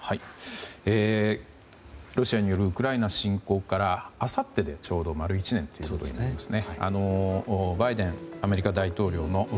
ロシアによるウクライナ侵攻からあさってでちょうど丸１年ということですね。